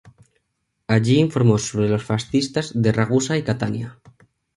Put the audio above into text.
Allí informó sobre los fascistas de Ragusa y Catania.